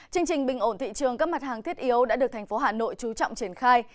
chương trình bình ổn thị trường các mặt hàng thiết yếu đã được thành phố hà nội trú trọng triển khai